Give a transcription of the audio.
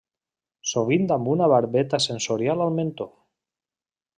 Sovint amb una barbeta sensorial al mentó.